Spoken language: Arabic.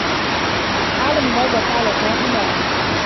أعلم ماذا فعل توم بماري.